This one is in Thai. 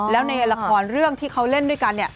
แล้วในละครเรื่องที่เขาเล่นด้วยกัน